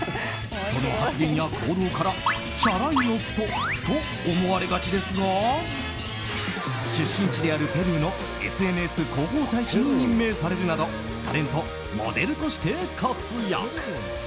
その発言や行動からチャラい夫と思われがちですが出身地であるペルーのＳＮＳ広報大使に任命されるなどタレント、モデルとして活躍。